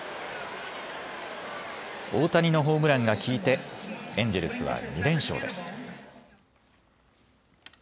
大谷のホームランがきいて、エンジェルスは２連勝です。